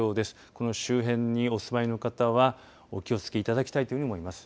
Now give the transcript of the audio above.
この周辺にお住まいの方はお気をつけいただきたいというふうに思います。